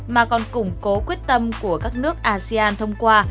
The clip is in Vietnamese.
mà còn củng cố quyết tâm của các nước asean thông qua